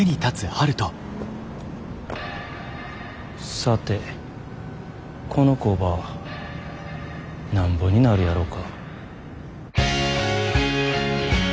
さてこの工場なんぼになるやろか。